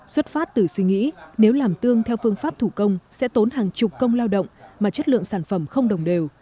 xuất phát từ suy nghĩ nếu làm tương theo phương pháp thủ công sẽ tốn hàng chục công lao động mà chất lượng sản phẩm không đồng đều